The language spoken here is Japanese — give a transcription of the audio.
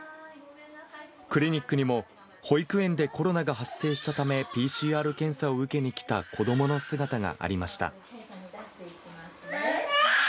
クリニックにも保育園でコロナが発生したため、ＰＣＲ検査を受けに来た子どもの姿がありました。